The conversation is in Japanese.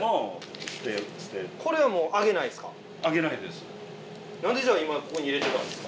これはもうあげないですか？